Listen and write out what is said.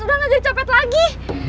udah gak jadi copet lagi